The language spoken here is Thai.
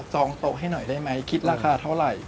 องโต๊ะให้หน่อยได้ไหมคิดราคาเท่าไหร่